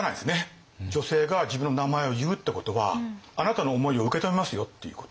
女性が自分の名前を言うってことはあなたの思いを受け止めますよっていうこと。